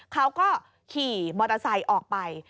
เขาก็ขี่มอเตอร์ไซค์ออกไป